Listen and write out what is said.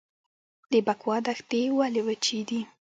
د بکوا دښتې ولې وچې دي؟